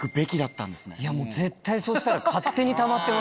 もう絶対そうしたら。